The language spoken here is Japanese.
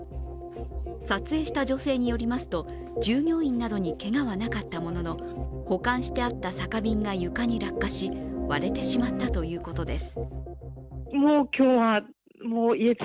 撮影した女性に寄りますと従業員などにけがはなかったものの保管してあった酒瓶が床に落下し、割れてしまったということです。